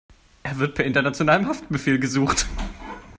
Er wird per internationalem Haftbefehl gesucht.